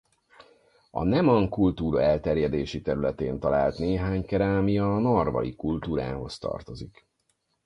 A neman kultúra elterjedési területén talált néhány kerámia a narvai kultúrához tartozik.